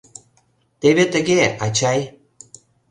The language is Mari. Теве тыге, ачай.